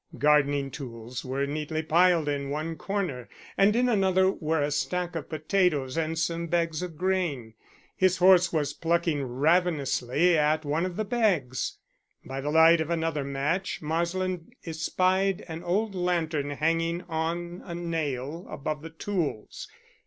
Gardening tools were neatly piled in one corner, and in another were a stack of potatoes and some bags of grain. His horse was plucking ravenously at one of the bags. By the light of another match Marsland espied an old lantern hanging on a nail above the tools.